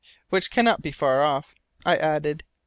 "Which cannot be very far off," I added.